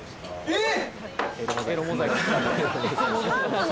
えっ？